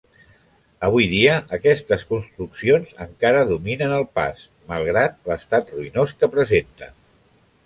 Avui dia, aquestes construccions encara dominen el pas, malgrat l'estat ruïnós que presenten.